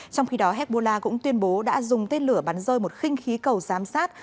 trong khi đó hezbollah cũng tuyên bố đã dùng tên lửa bắn rơi một khinh khí cầu giám sát